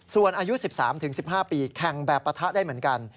ส่วนอายุ๑๓๑๕ปีแข่งแบบปะทะได้เหมือนกัน